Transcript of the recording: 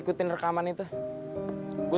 ikutin rekaman itu